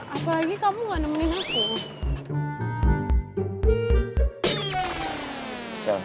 apalagi kamu gak nemuin aku